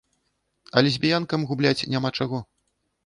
А лесбіянкам губляць няма чаго.